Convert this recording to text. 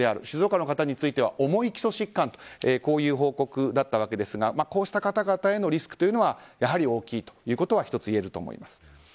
静岡の方については重い基礎疾患という報告だったわけですがこうした方々へのリスクはやはり大きいというのは１つ、いえると思います。